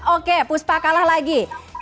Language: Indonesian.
oke puspa kalah lagi